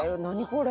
これ！